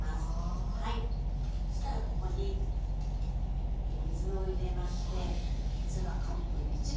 そしたらここに水を入れまして。